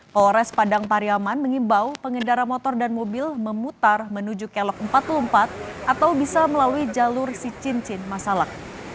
polres padang pariaman mengimbau pengendara motor dan mobil memutar menuju kelok empat puluh empat atau bisa melalui jalur sicincin masalak